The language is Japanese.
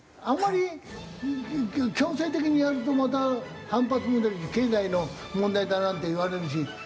あんまり強制的にやるとまた反発もだけど経済の問題だなんて言われるし。